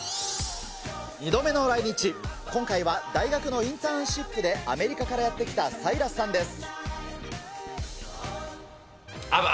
２度目の来日、今回は大学のインターンシップでアメリカからやって来たサイラスさんです。